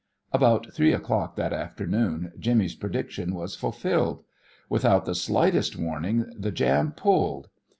About three o'clock that afternoon Jimmy's prediction was fulfilled. Without the slightest warning the jam "pulled."